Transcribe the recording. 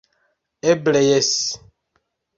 Eble jes.